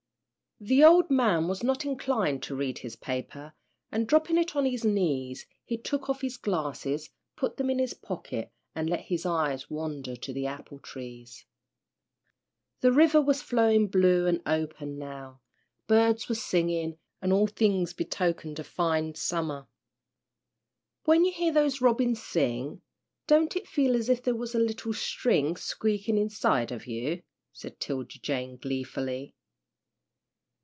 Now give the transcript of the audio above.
The old man was not inclined to read his paper, and dropping it on his knees he took off his glasses, put them in his pocket, and let his eyes wander to the apple trees. The river was flowing blue and open now, birds were singing, and all things betokened a fine summer. "When you hear those robins sing, don't it feel as if there was a little string squeakin' inside o' you?" said 'Tilda Jane, gleefully.